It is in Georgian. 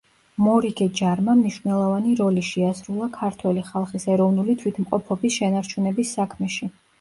მორიგე ჯარმა მნიშვნელოვანი როლი შეასრულა ქართველი ხალხის ეროვნული თვითმყოფობის შენარჩუნების საქმეში.